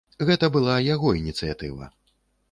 Гэта была яго ініцыятыва.